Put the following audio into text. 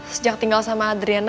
sejak tinggal sama adriana